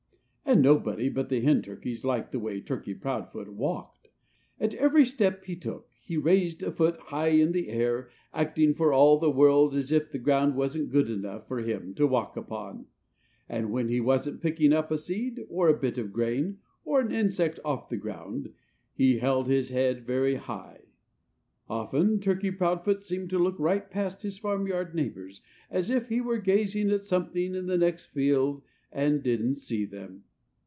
And nobody but the hen turkeys liked the way Turkey Proudfoot walked. At every step he took he raised a foot high in the air, acting for all the world as if the ground wasn't good enough for him to walk upon. And when he wasn't picking up a seed, or a bit of grain, or an insect off the ground, he held his head very high. Often Turkey Proudfoot seemed to look right past his farmyard neighbors, as if he were gazing at something in the next field and didn't see them.